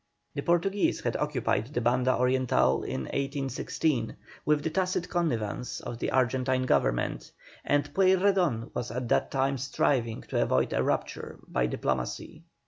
The Portuguese had occupied the Banda Oriental in 1816, with the tacit connivance of the Argentine Government, and Pueyrredon was at that time striving to avoid a rupture by diplomacy.